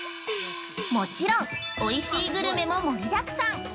◆もちろんおいしいグルメも盛りだくさん。